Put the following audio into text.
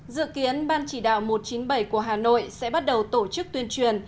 dự kiến ban chỉ đạo một trăm chín mươi bảy của hà nội sẽ bắt đầu tổ chức tuyên truyền